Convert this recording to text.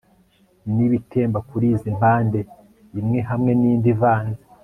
nibitemba kuri izi mpande, imwe hamwe nindi ivanze